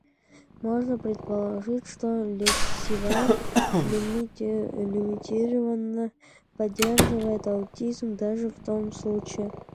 Можно предположить, что лессиваж лимитированно поддерживает аутизм даже в том случае,